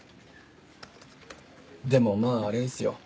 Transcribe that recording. でもまぁあれですよ。